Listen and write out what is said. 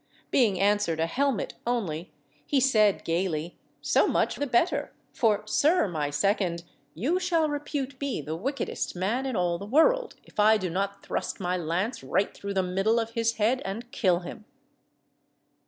Being answered a helmet only, he said gaily, "So much the better; for, sir my second, you shall repute me the wickedest man in all the world, if I do not thrust my lance right through the middle of his head and kill him."